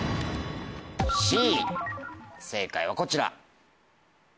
正解はこちら。